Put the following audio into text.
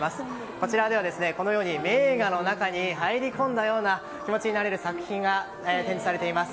こちらでは、名画の中に入り込んだような気持ちになれる作品が展示されています。